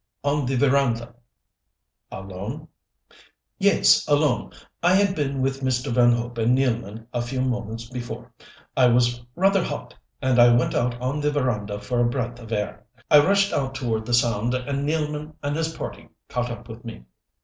"On the veranda." "Alone?" "Yes, alone. I had been with Mr. Van Hope and Nealman a few moments before. I was rather hot, and I went out on the veranda for a breath of air. I rushed out toward the sound, and Nealman and his party caught up with me."